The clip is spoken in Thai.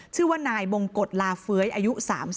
ชื่อว่านายบงกฎลาเฟ้ยอายุ๓๐